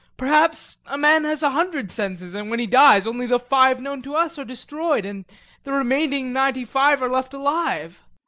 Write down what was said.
Perhaps a man has a hundred senses, and when he dies only the five known to us are destroyed and the remaining ninety five are left alive.